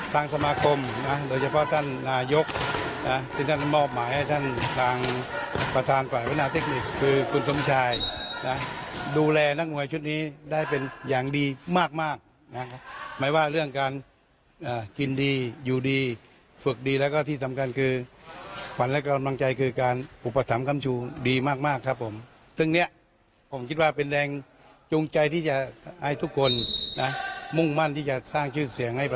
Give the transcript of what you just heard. ทางสมาคมนะโดยเฉพาะท่านนายกที่ท่านมอบหมายให้ท่านทางประธานฝ่ายวนาเทคนิคคือคุณสมชายนะดูแลนักหมวยชุดนี้ได้เป็นอย่างดีมากนะหมายว่าเรื่องการอ่ากินดีอยู่ดีฝึกดีแล้วก็ที่สำคัญคือฝันและการบังใจคือการปรุปฐำคำชูดีมากครับผมซึ่งเนี้ยผมคิดว่าเป็นแรงจูงใจที่จะให